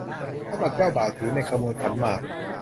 สำหรับเจ้าบ่าวถือในขบวนขันหมาก